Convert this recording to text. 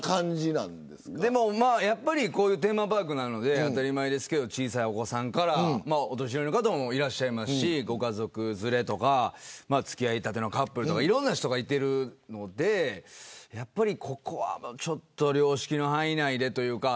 テーマパークなので小さいお子さんからお年寄りの方もいますしご家族連れとか付き合いたてのカップルとかいろんな人がいてるのでここはちょっと良識の範囲内でというか。